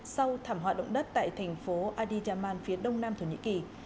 sau thảm họa động đất tại thành phố ady jaman phía đông nam thổ nhĩ kỳ